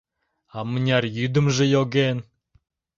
А мыняр йӱдымжӧ йоген.